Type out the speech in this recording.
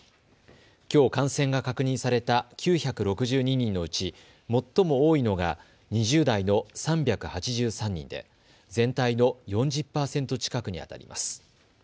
きょう感染が確認された９６２人のうち最も多いのが２０代の３８３人で全体の４０％近くにあたります。